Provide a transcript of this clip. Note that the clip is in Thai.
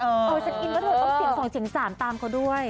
เออฉันอินว่าเธอต้องเสียง๒เสียง๓ตามเขาด้วย